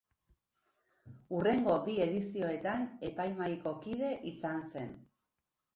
Hurrengo bi edizioetan epaimahaiko kide izan zen.